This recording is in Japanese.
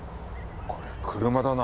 これ車だな。